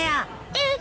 えっ！